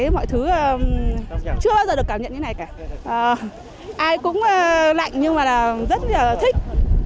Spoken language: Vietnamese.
mọi thứ chưa bao giờ được cảm nhận như này cả ai cũng lạnh nhưng mà rất là thích